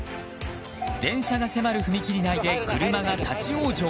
電車が迫る踏切内で車が立ち往生。